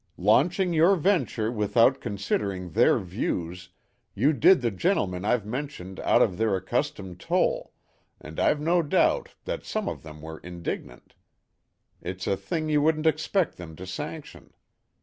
Launching your venture without considering their views, you did the gentlemen I've mentioned out of their accustomed toll, and I've no doubt that some of them were indignant. It's a thing you wouldn't expect them to sanction.